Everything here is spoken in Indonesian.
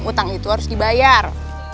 utang itu harus dibayar